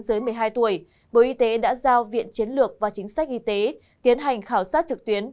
dưới một mươi hai tuổi bộ y tế đã giao viện chiến lược và chính sách y tế tiến hành khảo sát trực tuyến